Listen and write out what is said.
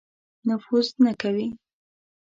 نفوذ نه کوي.